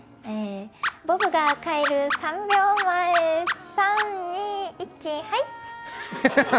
ボブが帰る３秒前、３・２・１、はい！